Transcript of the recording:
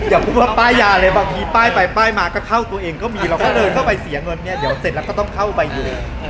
อย่าพูดว่าป้ายยาเลยบางทีป้ายไปป้ายมาก็เข้าตัวเองก็มีเราก็เดินเข้าไปเสียเงินเนี่ยเดี๋ยวเสร็จแล้วก็ต้องเข้าไปอยู่